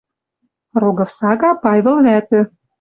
Рогов сага Пайвыл вӓтӹ